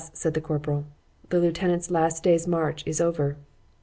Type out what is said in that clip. said the corporal,—the lieutenant's last day's march is over.